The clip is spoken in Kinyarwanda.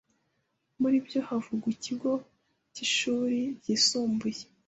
Muri byo havugwa ikigo cy’ishuri ryisumbuye